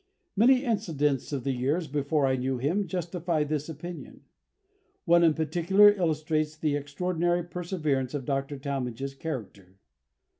Many incidents of the years before I knew him justify this opinion. One in particular illustrates the extraordinary perseverance of Dr. Talmage's character.